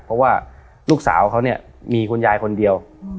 เพราะว่าลูกสาวเขาเนี่ยมีคุณยายคนเดียว